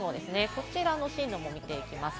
こちらの進路も見ていきます。